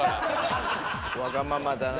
わがままだな。